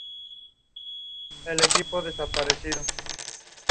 El primer corte de difusión fue "Siempre".